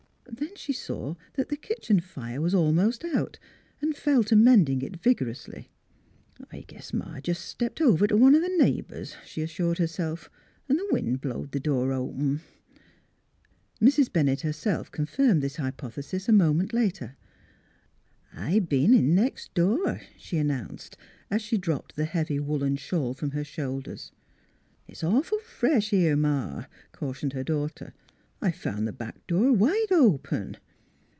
Then she saw that the kitchen fire was almost out and fell to mending it vigorously. " I guess Ma jes' stepped over t' one o' th' neighbors," she assured herself. " An' th' wind blowed th' door open." Mrs. Bennett herself confirmed this hypothesis a moment later. " I b'en in next door," she an nounced, as she dropped the heavy woolen shawl from her shoulders. 40 NEIGHBORS 41 " It's awful fresh here, Ma," cautioned her daughter. " I found th' back door wide open."